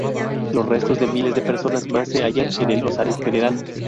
Los restos de miles de personas más se hallan en el osario general.